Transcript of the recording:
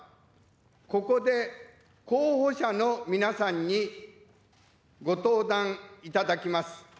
ここで、候補者の皆さんにご登壇いただきます。